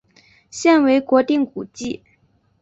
现为国定古迹。